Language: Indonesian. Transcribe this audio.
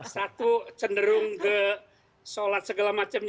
satu cenderung ke sholat segala macam